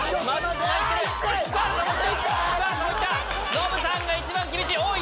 ノブさんが一番厳しい！